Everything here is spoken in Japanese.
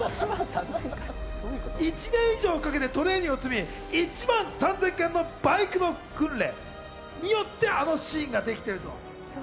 １年以上かけてトレーニングを積み、１万３０００回もバイクの訓練によってあのシーンができたと。